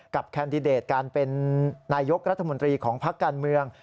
แคนดิเดตการเป็นนายกรัฐมนตรีของพักการเมือง